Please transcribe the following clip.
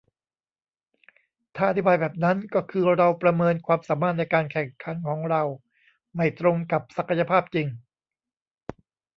ถ้าอธิบายแบบนั้น ก็คือเราประเมินความสามารถในการแข่งขันของเราไม่ตรงกับศักยภาพจริง